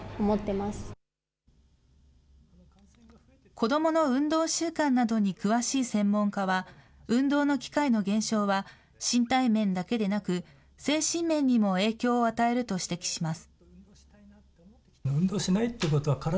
子どもの運動習慣などに詳しい専門家は、運動の機会の減少は身体面だけでなく、精神面にも影響を与えると指摘します。